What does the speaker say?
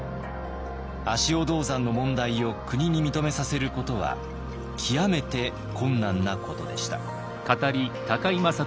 足尾銅山の問題を国に認めさせることは極めて困難なことでした。